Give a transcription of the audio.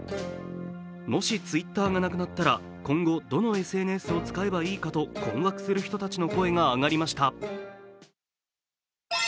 もしＴｗｉｔｔｅｒがなくなったら、今後どのＳＮＳを使えばいいかと、困惑する人たちの声が上がりました。